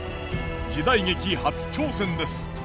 時代劇初挑戦です。